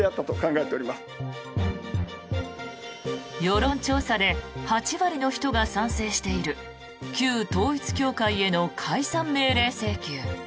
世論調査で８割の人が賛成している旧統一教会への解散命令請求。